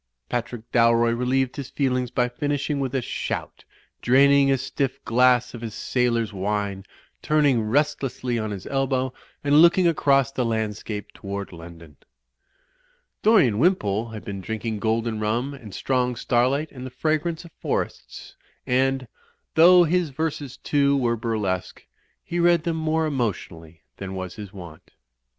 Patrick Dalroy relieved his feelings by finishing with a shout, draining a stiff glass of his sailor's wine, turning restlessly on his elbow and looking across the landscape toward London. Dorian Wimpole had been drinking golden rum and strong starlight and the fragrance of forests ; and, though his verses, too, were burlesque, he read them more emotionally than was his wont.